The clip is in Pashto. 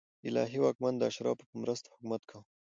الهي واکمن د اشرافو په مرسته حکومت کاوه.